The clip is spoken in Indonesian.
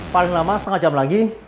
paling lama setengah jam lagi